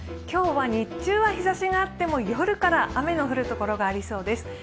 今日は日中は日ざしがあっても夜から雨の降るところがありそうです。